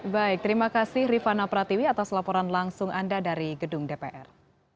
baik terima kasih rifana pratiwi atas laporan langsung anda dari gedung dpr